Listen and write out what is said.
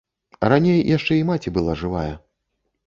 А раней яшчэ і маці была жывая.